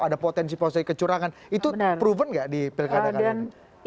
ada potensi potensi kecurangan itu proven nggak di pilkada kali ini